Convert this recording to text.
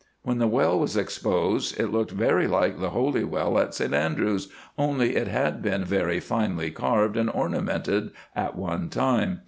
When the well was exposed it looked very like the holy well at St Andrews, only it had been very finely carved and ornamented at one time.